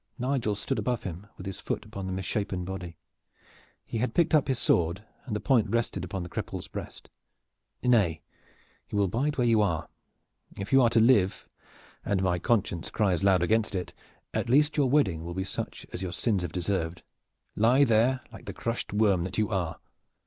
Nigel stood above him with his foot upon his misshapen body. He had picked up his sword, and the point rested upon the cripple's breast. "Nay, you will bide where you are! If you are to live and my conscience cries loud against it at least your wedding will be such as your sins have deserved. Lie there, like the crushed worm that you are!"